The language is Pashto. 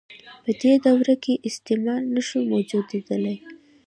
په دې دوره کې استثمار نشو موجودیدلای.